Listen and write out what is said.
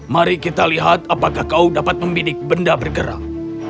mari kita lihat apakah kau dapat membidik benda bergerak